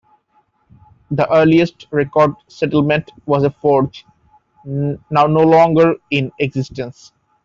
The earliest recorded settlement was a forge, now no longer in existence.